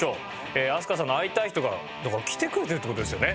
飛鳥さんの会いたい人がだから来てくれてるって事ですよね。